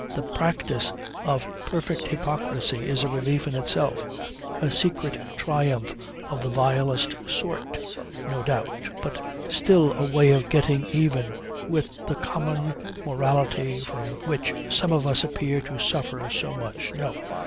The practice of perfect hypocrisy is a relief in itself, a secret triumph of the vilest sort, no doubt, but still a way of getting even with the common morality from which some of us appear to suffer so much. No!